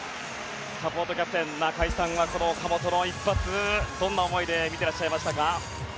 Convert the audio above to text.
サポートキャプテン中居さんは岡本の一発、どんな思いで見ていらっしゃいましたか？